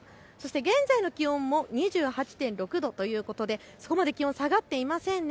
現在の気温も２８．６度ということでそこまで気温下がっていませんね。